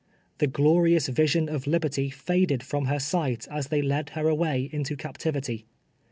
The glo rious vision of liberty faded from her sight as they led her away into captivity.